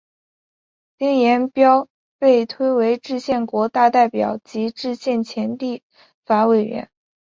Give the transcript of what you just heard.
丁廷标被推为制宪国大代表及行宪前立法委员。